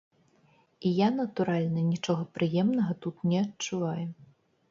І я, натуральна, нічога прыемнага тут не адчуваю.